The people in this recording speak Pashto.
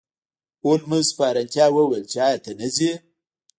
هولمز په حیرانتیا وویل چې ایا ته نه ځې